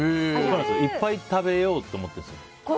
いっぱい食べようと思ってるんですよ。